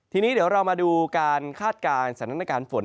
ทีนี้เดี๋ยวเรามาดูการคาดการณ์สถานการณ์ฝน